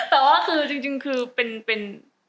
แต่ว่าคือจริงคือเป็น